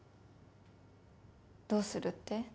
どうするって？